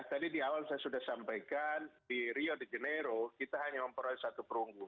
tadi di awal saya sudah sampaikan di rio de janeiro kita hanya memperoleh satu perunggu